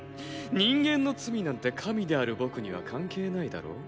人間の罪なんて神である僕には関係ないだろ？